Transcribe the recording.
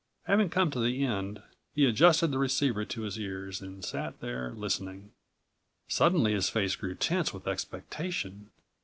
Having come to the end, he adjusted the receiver to his ears and sat there listening. Suddenly his face grew tense with expectation.